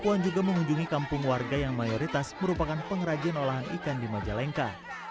puan juga mengunjungi kampung warga yang mayoritas merupakan pengrajin olahan ikan di majalengka